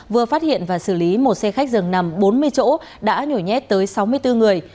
vừa phát hiện và xử lý một xe khách dường nằm bốn mươi chỗ đã nhổi nhét tới sáu mươi bốn người